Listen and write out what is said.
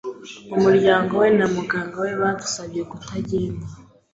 Umuryango we na muganga we bamusabye kutagenda.